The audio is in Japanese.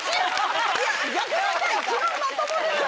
いや逆に私一番まともでしょ！